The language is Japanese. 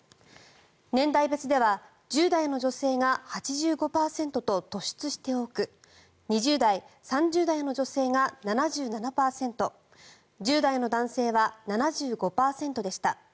年代別では１０代の女性が８５％と突出して多く２０代、３０代の女性が７７％１０代の男性は７５％でした。